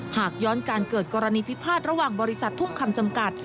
หากย้อนการเกิดกรณีพิพาทระหว่างบริษัททุ่งคำจำกัด